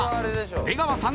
出川さん